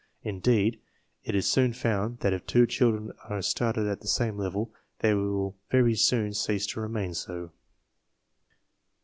In deed, it is soon found that if two children are started at the same level they will very soon cease to remain so.